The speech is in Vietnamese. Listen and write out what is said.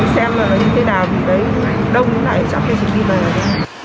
xem là nó như thế nào